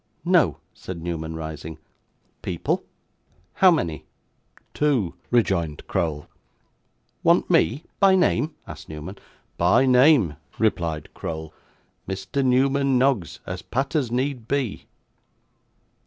'No,' said Newman, rising. 'People? How many?' 'Two,' rejoined Crowl. 'Want me? By name?' asked Newman. 'By name,' replied Crowl. 'Mr. Newman Noggs, as pat as need be.